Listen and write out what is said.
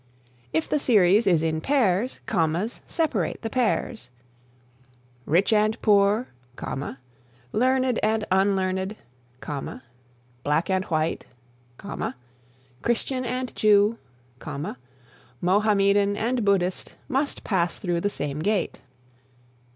If the series is in pairs, commas separate the pairs: "Rich and poor, learned and unlearned, black and white, Christian and Jew, Mohammedan and Buddhist must pass through the same gate."